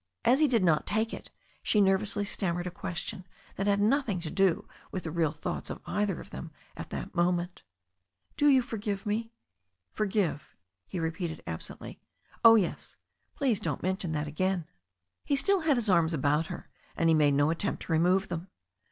As he did not take it, she nervously stammered a question that had nothing to do with the real thoughts of either of them at that moment. "Do you forgive me?" "Forgive " he repeated absently. "Oh, yes. Please don't mention that again." He still had his arms about her, and he made no attempt to remove them.